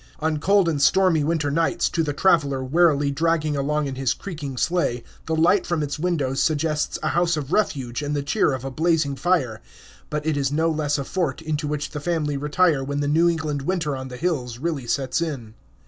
On cold and stormy winter nights, to the traveler wearily dragging along in his creaking sleigh, the light from its windows suggests a house of refuge and the cheer of a blazing fire. But it is no less a fort, into which the family retire when the New England winter on the hills really sets in.